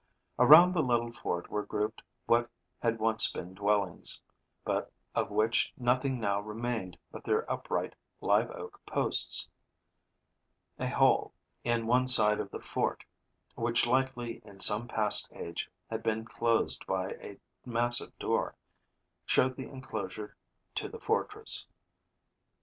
Around the little fort were grouped what had once been dwellings, but of which nothing now remained but their upright live oak posts. A hole, in one side of the fort, which likely in some past age had been closed by a massive door, showed the enclosure to the fortress.